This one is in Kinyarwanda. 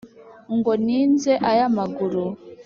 ngo ninze aya maguru,